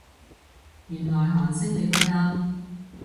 原來韓星你都啱